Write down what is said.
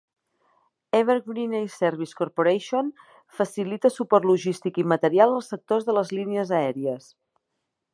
Evergreen Air Services Corporation facilita suport logístic i material al sector de les línies aèries.